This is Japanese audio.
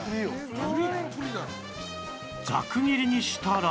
ざく切りにしたら